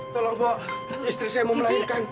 tolong pak istri saya mau melahirkan